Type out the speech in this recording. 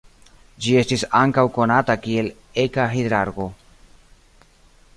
Ĝi estis ankaŭ konata kiel eka-hidrargo.